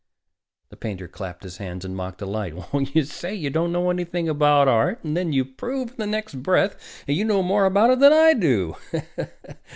The painter clapped his hands in mock delight. "You say you don't know anything about art, and then you prove in the next breath that you know more about it than I do!